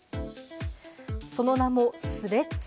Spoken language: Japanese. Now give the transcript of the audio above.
その名もスレッズ。